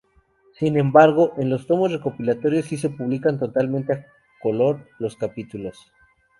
Sin embargo, en los tomos recopilatorios si se publican totalmente a color los capítulos.